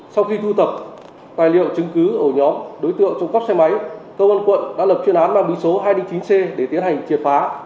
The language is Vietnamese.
sau khi thu tập tài liệu chứng cứ ở nhóm đối tượng trộn cắp xe máy công an quận đã lập chuyên án mang bí số hai d chín c để tiến hành triệt phá